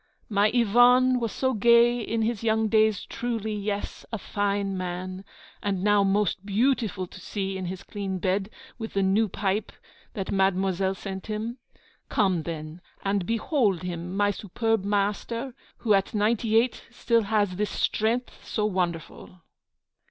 'My Yvon was so gay in his young days, truly, yes, a fine man, and now most beautiful to see in his clean bed, with the new pipe that Mademoiselle sent him. Come, then, and behold him, my superb master, who at ninety eight has still this strength so wonderful.'